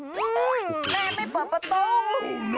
แม่ไม่เปิดประตู